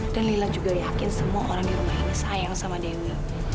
dan lila juga yakin semua orang di rumah ini sayang sama dewi